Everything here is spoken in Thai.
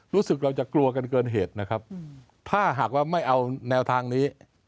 รู้สึกเราจะกลัวกันเกินเหตุนะครับถ้าหากว่าไม่เอาแนวทางนี้